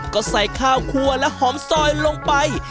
ก็ใส่ข้าวครัวและหอมซอยลงไป